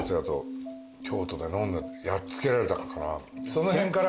その辺から。